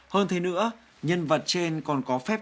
hơn thế nữa nhân vật trên còn có phép